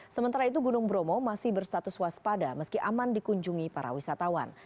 sementara itu gunung bromo masih berstatus waspada meski aman dikunjungi para wisatawan